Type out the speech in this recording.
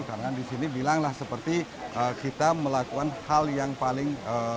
karena di sini bilanglah seperti kita melakukan hal yang paling penting